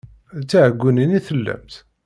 D tiɛeggunin i tellamt?